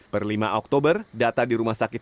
per lima oktober data di rumah sakit